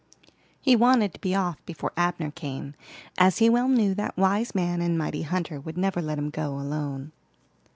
He wanted to be off before Abner came, as he well knew that wise man and mighty hunter would never let him go alone.